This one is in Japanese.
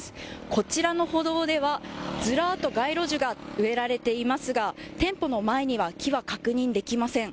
こちらの歩道ではずらっと街路樹が植えられていますが店舗の前には木が確認できません。